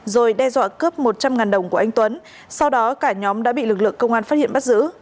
rồi đe dọa cướp một trăm linh đồng của anh tuấn sau đó cả nhóm đã bị lực lượng công an phát hiện bắt giữ